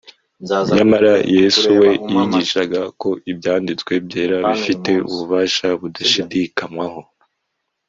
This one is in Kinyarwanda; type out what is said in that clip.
nyamara yesu we yigishaga ko ibyanditswe byera bifite ububasha budashidikanywaho